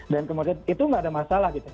dan kemudian itu nggak ada masalah gitu